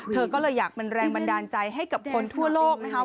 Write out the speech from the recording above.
เธอก็เลยอยากเป็นแรงบันดาลใจให้กับคนทั่วโลกนะคะ